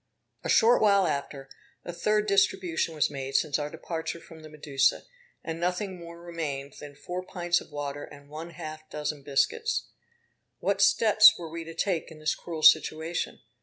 A short while after, a third distribution was made since our departure from the Medusa; and nothing more remained than four pints of water, and one half dozen biscuits. What steps were we to take in this cruel situation?